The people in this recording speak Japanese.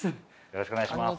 よろしくお願いします。